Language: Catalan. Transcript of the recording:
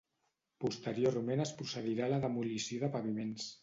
Posteriorment es procedirà a la demolició de paviments.